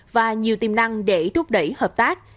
và nhiều tiềm năng để rút đẩy hợp tác